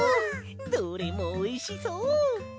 どれもおいしそう！